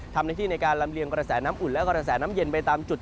ในที่ในการลำเลียงกระแสน้ำอุ่นและกระแสน้ำเย็นไปตามจุด